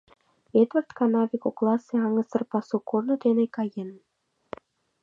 Эдвард канаве кокласе аҥысыр пасу корно дене каен.